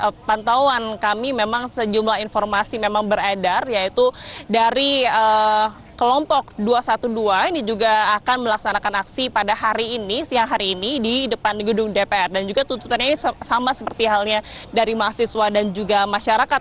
dari pantauan kami memang sejumlah informasi memang beredar yaitu dari kelompok dua ratus dua belas ini juga akan melaksanakan aksi pada hari ini siang hari ini di depan gedung dpr dan juga tuntutannya ini sama seperti halnya dari mahasiswa dan juga masyarakat